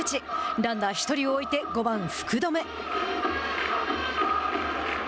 ランナー１人を置いて５番福留。